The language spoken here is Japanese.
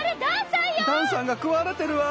だんさんが食われてるわ！